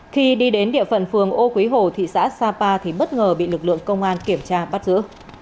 khi đi đến địa phận phường ô quý hồ thị xã sapa thì bất ngờ bị lực lượng công an kiểm tra bắt giữ